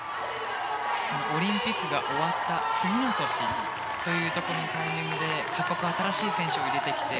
オリンピックが終わった次の年というタイミングで各国、新しい選手を入れてきて